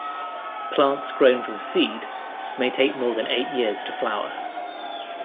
Plants grown from seed may take more than eight years to flower.